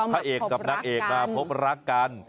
พระเอกกับนางเอกมาพบรักกัน